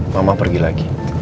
mama pergi lagi